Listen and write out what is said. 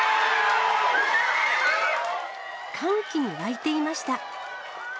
歓喜に沸いていました。